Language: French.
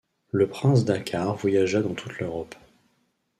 Le prince Dakkar voyagea dans toute l’Europe